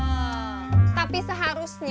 enggak jadi bahan gunjing